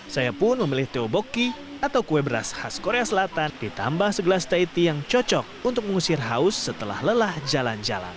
saya pun memilih theoboki atau kue beras khas korea selatan ditambah segelas teh yang cocok untuk mengusir haus setelah lelah jalan jalan